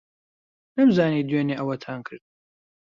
نەمزانی دوێنێ ئەوەتان کرد.